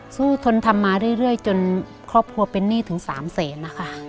ทนทำมาเรื่อยจนครอบครัวเป็นหนี้ถึง๓แสนนะคะ